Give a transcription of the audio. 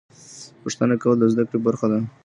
پوښتنه کول د زده کړې برخه ده.